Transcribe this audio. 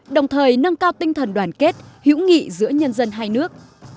đồng thời nâng cao tinh thần đoàn kết hữu nghị giữa nhân dân hai nước